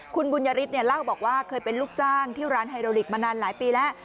คุณบุญยฤทธิ์เล่าบอกว่าเคยเป็นลูกจ้างที่ร้านไฮโลลิกมานานหลายปีแล้ว